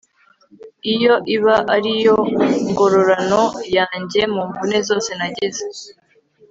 iyo iba ari yo ngororano yanjye mu mvune zose nagize